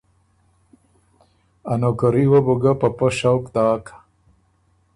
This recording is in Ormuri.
ا نوکري وه بو ګه په پۀ شوق داک